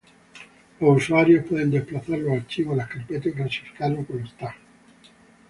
Los usuarios pueden desplazar los archivos en las carpetas y clasificarlos con los tags.